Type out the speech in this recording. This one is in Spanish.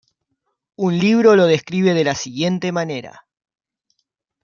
Un libro lo describe de la siguiente manera.